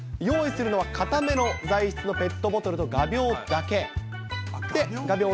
用意するのは硬めの材質のペットボトルと画びょうだけ。